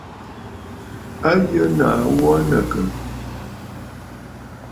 A yə nàa ghu aa nɨ àkə̀?